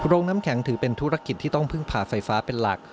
น้ำแข็งถือเป็นธุรกิจที่ต้องพึ่งผ่าไฟฟ้าเป็นหลัก